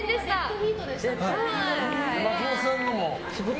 松本さんのも。